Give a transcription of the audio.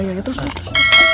terus terus terus